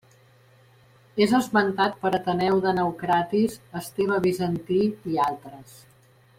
És esmentat per Ateneu de Naucratis, Esteve Bizantí i altres.